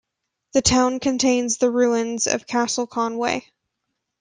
The town contains the ruins of Castle Conway.